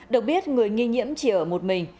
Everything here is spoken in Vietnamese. được biết người nghi nhiễm chỉ ở một mình